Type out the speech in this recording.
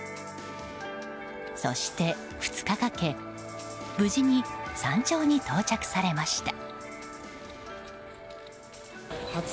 そして、２日かけ無事に山頂に到着されました。